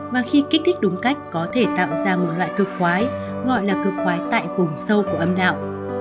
mà khi kích thích đúng cách có thể tạo ra một loại cực quái gọi là cực quái tại vùng sâu của âm đạo